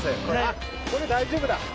これ大丈夫だ。